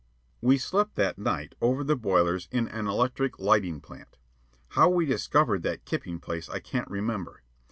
We slept that night over the boilers in an electric lighting plant. How we discovered that "kipping" place I can't remember.